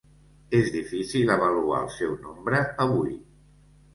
És difícil avaluar el seu nombre avui.